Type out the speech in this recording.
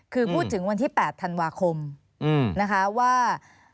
คือพูดถึงวันที่๘ธันวาคมนะคะว่า